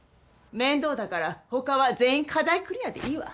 面倒だから他は全員課題クリアでいいわ。